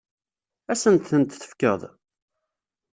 Ad asen-tent-tefkeḍ?